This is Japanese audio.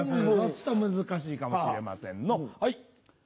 ちと難しいかもしれませんのはい。